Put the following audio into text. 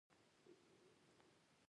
یو څه انتظار پکې موجود وي.